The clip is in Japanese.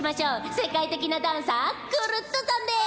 せかいてきなダンサークルットさんです！